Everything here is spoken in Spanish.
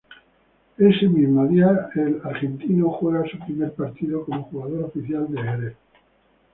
Ese mismo día, el argentino juega su primer partido como jugador oficial del Xerez.